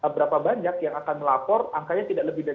berapa banyak yang akan melapor angkanya tidak lebih dari